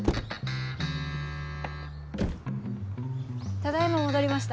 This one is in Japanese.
ただ今戻りました。